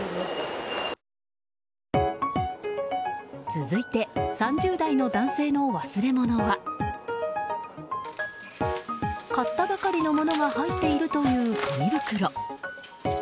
続いて３０代の男性の忘れ物は買ったばかりのものが入っているという紙袋。